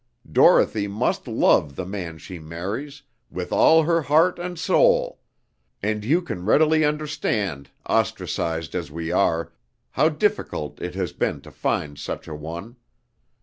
Dorothy must love the man she marries, with all her heart and soul; and you can readily understand, ostracized as we are, how difficult it has been to find such a one.